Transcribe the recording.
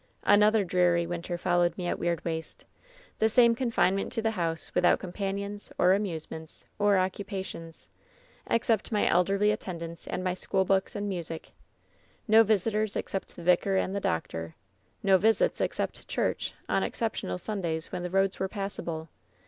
"Another dreary winter followed me at Weirdwastew The same confinement to the honse, without companions, or amusements, or occupations — except my elderly at tendants and my schoolbooks and music No visitors except the vicar and the doctor. No visits except to church on exceptional Sundays when the roads were passable.